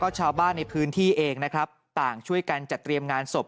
ชาวบ้านในพื้นที่เองนะครับต่างช่วยกันจัดเตรียมงานศพ